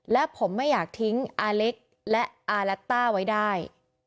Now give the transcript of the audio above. และผมไม่อยากทิ้งอาเล็กและอารัตต้าไว้ได้